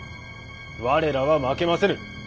我らは負けませぬ。